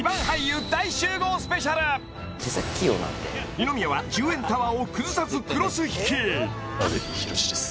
手先器用なんで二宮は１０円タワーを崩さずクロス引き阿部寛です